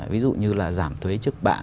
ví dụ như là giảm thuế trước bạ